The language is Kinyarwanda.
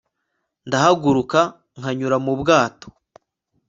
Ndahaguruka nkanyura mu bwato